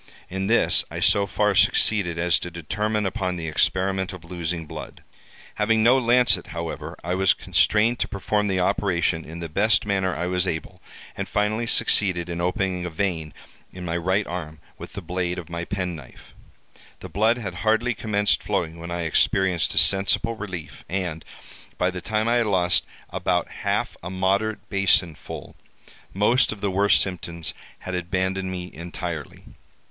In this I so far succeeded as to determine upon the experiment of losing blood. Having no lancet, however, I was constrained to perform the operation in the best manner I was able, and finally succeeded in opening a vein in my right arm, with the blade of my penknife. The blood had hardly commenced flowing when I experienced a sensible relief, and by the time I had lost about half a moderate basin full, most of the worst symptoms had abandoned me entirely.